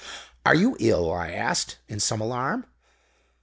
"'Are you ill?' I asked, in some alarm.